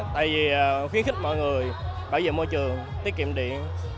tại vì khuyến khích mọi người bảo vệ môi trường tiết kiệm điện